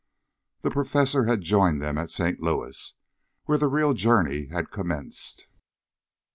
The Professor had joined them at St. Louis, where the real journey had commenced.